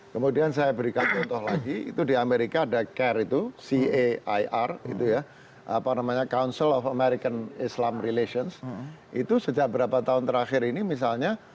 kemudian saya berikan contoh lagi itu di amerika ada care itu cair gitu ya apa namanya council of american islam relations itu sejak berapa tahun terakhir ini misalnya